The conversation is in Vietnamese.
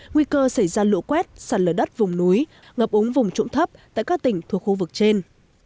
nguy cơ xảy ra lũ quét sạt lở đất vùng núi ngập úng vùng trụng thấp tại các tỉnh thuộc khu vực trên